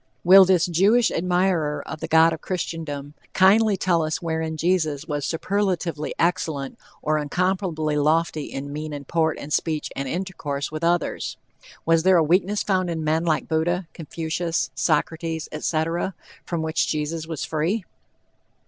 Will this Jewish admirer of the god of Christendom kindly tell us wherein Jesus was superlatively excellent, or incomparably lofty in mien and port and speech and intercourse with others? Was there a weakness found in men like Buddha, Confucius, Socrates, etc., from which Jesus was free?